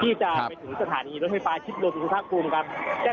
ที่จะไปถึงสถานีรถไฟฟ้าคิดดูคุณภาคภูมิครับ